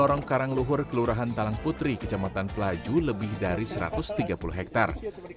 lohor lorong karang luhur kelurahan talang putri kecamatan pelaju lebih dari satu ratus tiga puluh hektare